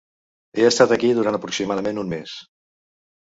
He estat aquí durant aproximadament un mes.